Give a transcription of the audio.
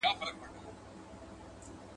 ټمبه ته يو گوز هم غنيمت دئ.